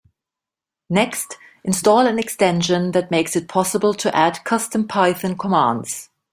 Next, install an extension that makes it possible to add custom Python commands.